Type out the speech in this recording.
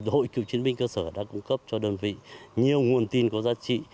hội cựu chiến binh cơ sở đã cung cấp cho đơn vị nhiều nguồn tin có giá trị